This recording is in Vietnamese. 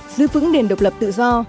giữ vững nền độc lập tự do